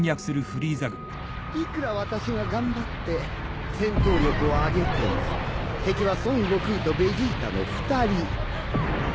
いくら私が頑張って戦闘力を上げても敵は孫悟空とベジータの２人。